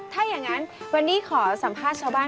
ถ้าอย่างนั้นวันนี้ขอสัมภาษณ์ชาวบ้าน